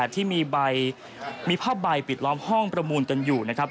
ที่มีผ้าใบปิดล้อมห้องประมูลกันอยู่นะครับ